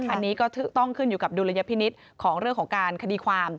อันนี้ก็ต้องขึ้นอยู่กับดุลยพินิษฐ์ของเรื่องของการคดีความ